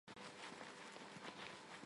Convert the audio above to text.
Զոռո՞վ եք ուզում, ի՛նչ է, որ մեռնի: